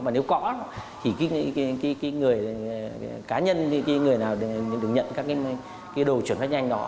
mà nếu có thì người cá nhân hay cái người nào được nhận các cái đồ chuyển phát nhanh đó